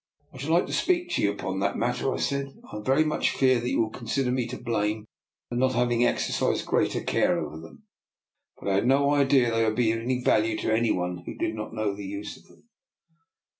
" I should like to speak to you upon that matter," I said. " I very much fear that you DR. NIKOLA'S EXPERIMENT. 129 will consider me to blame for not having ex ercised greater care over them, but I had no idea they would be of any value to any one who did not know the use of them."